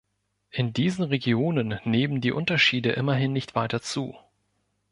In diesen Regionen nehmen die Unterschiede immerhin nicht weiter zu.